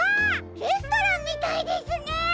レストランみたいですね！